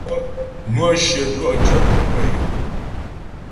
Nwə́ shyə twɔ'dyə̂ mo kə yɔ́ ó.